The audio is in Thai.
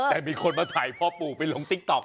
แต่มีคนมาถ่ายพ่อปู่ไปลงติ๊กต๊อ